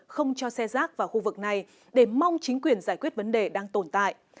không cho xe rác vào khu vực này để mong chính quyền giải quyết vấn đề đang tồn tại